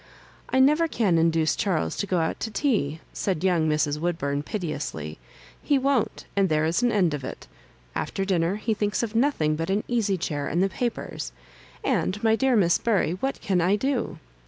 "I never can induce Charles to go out to tea," said young Mrs. Wood bum, piteously ;" he won't, and there is an end of it After dinner he thinks of nothing but an easy chair and the papers; and, my dear Miss Bury, what can I do